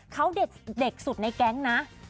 เขาเด็กสุดในแก๊งนะ